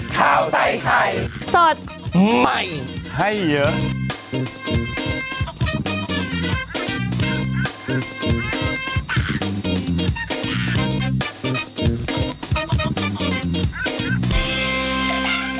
ข้าวใส่ไข่สดใหม่ให้เยอะ